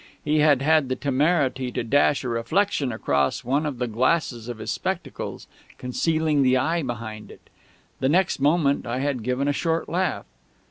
He had had the temerity to dash a reflection across one of the glasses of his spectacles, concealing the eye behind it. The next moment I had given a short laugh.